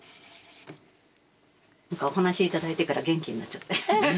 お話頂いてから元気になっちゃって。